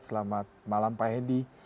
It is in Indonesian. selamat malam pak hendy